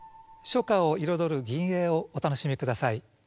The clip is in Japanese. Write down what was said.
初夏を彩る吟詠をお楽しみください。